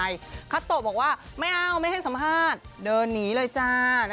คัตโตะบอกว่าไม่เอาไม่ให้สัมภาษณ์เดินหนีเลยจ้า